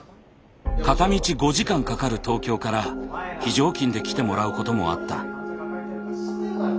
片道５時間かかる東京から非常勤で来てもらうこともあった。